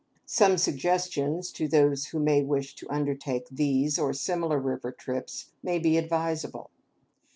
Some suggestions to those who may wish to undertake these or similar river trips may be advisable.